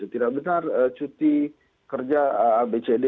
tidak benar cuti kerja abcd